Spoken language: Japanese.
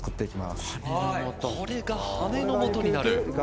これが羽根のもとになる。